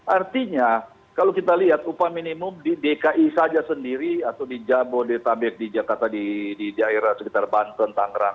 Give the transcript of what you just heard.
artinya kalau kita lihat upah minimum di dki saja sendiri atau di jabodetabek di jakarta di daerah sekitar banten tangerang